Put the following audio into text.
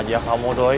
jangan pikirin motornya